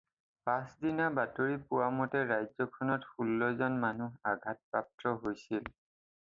পাছদিনা বাতৰিত পোৱা মতে ৰাজ্যখনত ষোল্ল জন মানুহ আঘাটপ্ৰাপ্ত হৈছিল।